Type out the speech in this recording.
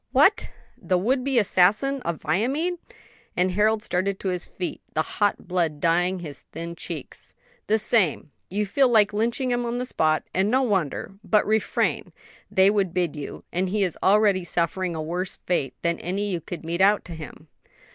"What! the would be assassin of Viamede?" and Harold started to his feet, the hot blood dyeing his thin cheeks. "The same. You feel like lynching him on the spot; and no wonder. But refrain; they would bid you, and he is already suffering a worse fate than any you could mete out to him."